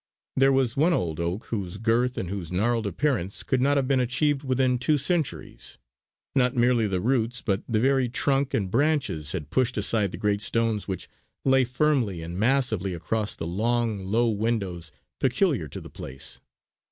There was one old oak whose girth and whose gnarled appearance could not have been achieved within two centuries. Not merely the roots but the very trunk and branches had pushed aside the great stones which lay firmly and massively across the long low windows peculiar to the place.